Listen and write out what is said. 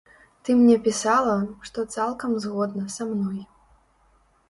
Ты мне пісала, што цалкам згодна са мной.